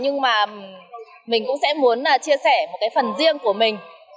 nhưng mà mình cũng sẽ muốn chia sẻ một cái phần riêng của mình